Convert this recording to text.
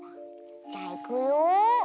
じゃいくよ！